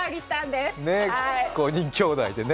５人きょうだいでね。